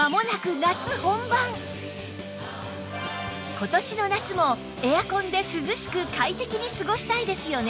今年の夏もエアコンで涼しく快適に過ごしたいですよね